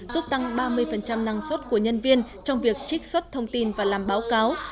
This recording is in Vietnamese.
giúp tăng ba mươi năng suất của nhân viên trong việc trích xuất thông tin và làm báo cáo